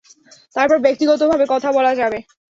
তারপর ব্যক্তিগতভাবে কথা বলা যাবে।